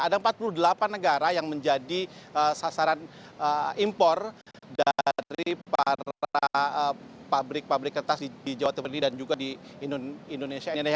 ada empat puluh delapan negara yang menjadi sasaran impor dari para pabrik pabrik kertas di jawa timur ini dan juga di indonesia